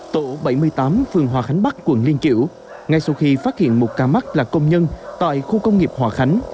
tổ bảy mươi tám phường hòa khánh bắc quận liên kiểu ngay sau khi phát hiện một ca mắc là công nhân tại khu công nghiệp hòa khánh